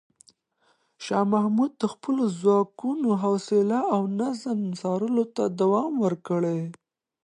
شاه محمود د خپلو ځواکونو حوصله او نظم څارلو ته دوام ورکړ.